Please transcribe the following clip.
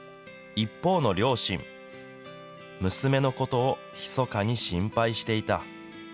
一方の両親、娘のことをひそかに心配していた。